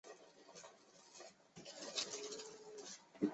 揭阳榕城人。